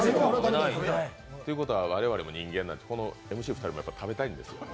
ということは我々も人間なのでＭＣの２人も食べたいんですよ。